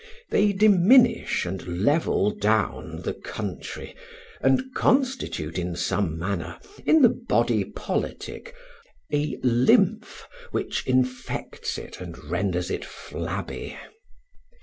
They diminish and level down the country and constitute, in some manner, in the body politic, a lymph which infects it and renders it flabby.